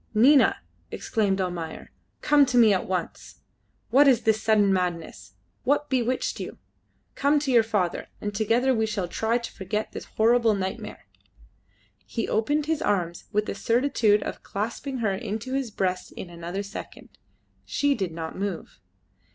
"Nina!" exclaimed Almayer, "come to me at once. What is this sudden madness? What bewitched you? Come to your father, and together we shall try to forget this horrible nightmare!" He opened his arms with the certitude of clasping her to his breast in another second. She did not move.